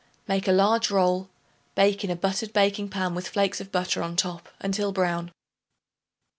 Make a large roll; bake in a buttered baking pan with flakes of butter on top until brown.